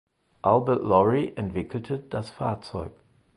Albert Lory entwickelte das Fahrzeug.